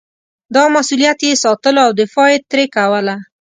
دا مسووليت یې ساتلو او دفاع یې ترې کوله.